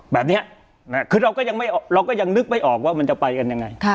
แบบนี้คือเราก็ยังเราก็ยังนึกไม่ออกว่ามันจะไปกันยังไง